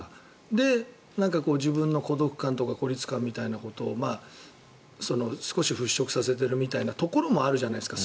で、自分の孤独感とか孤立感みたいなことを少し払しょくさせてるみたいなところがあるじゃないですか。